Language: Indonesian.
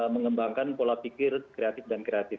mengembangkan pola pikir kreatif dan kreatif